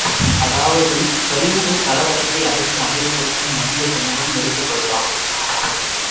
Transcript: அதாவது கருவிகள் கலவரத்தை அடக்கி அமைதிப்படுத்தும் மனித சமூகம் எடுத்துக்கொள்ளாமல், கலவரத்தை வளர்ப்பவர்கள் கையில் சிக்கிக்கொண்டன!